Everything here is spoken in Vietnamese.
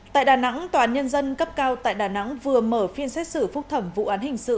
tại đà nẵng tòa án nhân dân cấp cao tại đà nẵng vừa mở phiên xét xử phúc thẩm vụ án hình sự